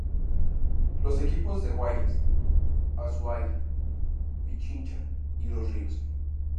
Los equipos de Guayas, Azuay, Pichincha y Los Ríos.